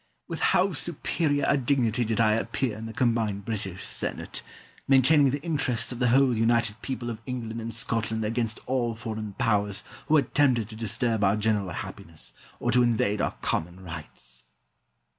With how superior a dignity did I appear in the combined British senate, maintaining the interests of the whole united people of England and Scotland against all foreign powers who attempted to disturb our general happiness or to invade our common rights!